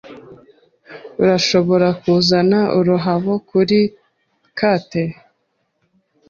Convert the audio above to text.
Urashobora kuzana ururabo kuri Kate?